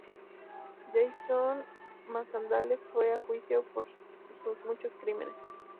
Jason Macendale fue a juicio por sus muchos crímenes.